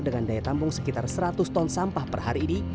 dengan daya tampung sekitar seratus ton sampah per hari ini